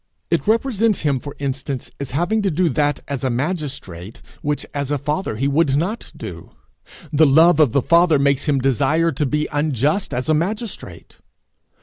It represents him, for instance, as having to do that as a magistrate which as a father he would not do! The love of the father makes him desire to be unjust as a magistrate!